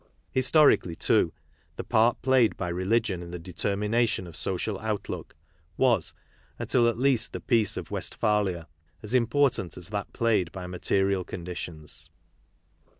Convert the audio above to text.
Historically, too, the 34 KARL MARX nail played by religion in the determination of social butlook was, until at least the peace of Westphalia, as important as that played by material conditions.